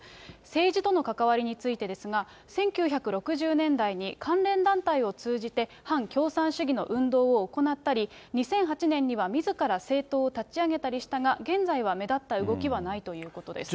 政治との関わりについてですが、１９６０年代に関連団体を通じて、反共産主義の運動を行ったり、２００８年にはみずから政党を立ち上げたりしたが、現在は目立った動きはないということです。